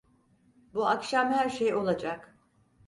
Bu akşam her şey olacak…